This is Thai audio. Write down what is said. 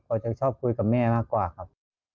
จะชอบคุยกับแม่มากกว่าครับ